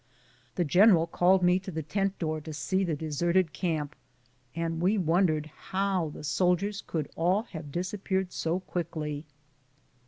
Tlie general called me to the tent door to see the deserted camp, and wondered how the soldiers could all have disappeared so quickly.